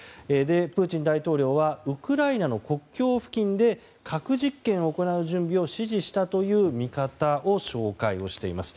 プーチン大統領はウクライナの国境付近で核実験を行う準備を指示したという見方を紹介をしています。